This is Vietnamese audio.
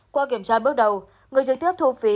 qua kiểm tra bước đầu người trực tiếp thu phí